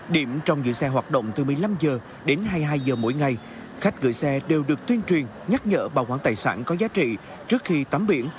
điểm trong giữ xe hoạt động từ một mươi năm h đến hai mươi hai h mỗi ngày khách gửi xe đều được tuyên truyền nhắc nhở bảo quản tài sản có giá trị trước khi tắm biển